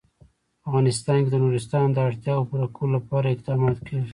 په افغانستان کې د نورستان د اړتیاوو پوره کولو لپاره اقدامات کېږي.